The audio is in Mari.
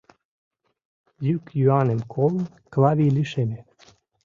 Йӱк-йӱаным колын, Клавий лишеме: